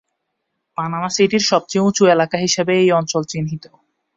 Panama সিটির সবচেয়ে উঁচু এলাকা হিসেবে এই অঞ্চল চিহ্নিত।